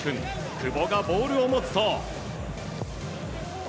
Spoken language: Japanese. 久保がボールを持つと。